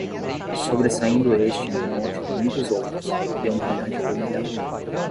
sobressaindo este num monte de muitos outros, de um brilhante avermelhado